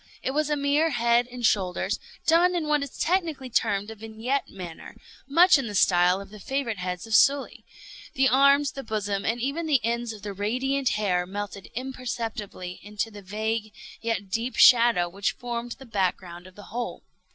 It was a mere head and shoulders, done in what is technically termed a vignette manner; much in the style of the favorite heads of Sully. The arms, the bosom, and even the ends of the radiant hair melted imperceptibly into the vague yet deep shadow which formed the back ground of the whole.